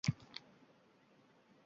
Boshimga qarg'ish do'li yog'ildi